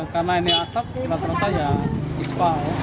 karena ini asap rata rata ya ispa